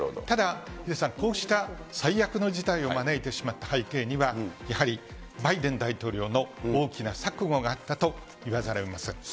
ただ、ヒデさん、こうした最悪の事態を招いてしまった背景には、やはりバイデン大統領の大きな錯誤があったといわざるをえません。